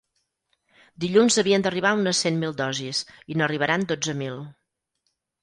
Dilluns havien d’arribar unes cent mil dosis i n’arribaran dotze mil.